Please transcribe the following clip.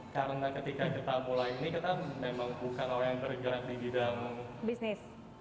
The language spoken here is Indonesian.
karena ketika kita mulai ini kita memang bukan orang yang bergerak di bidang bisnis